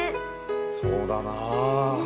そうだなぁ。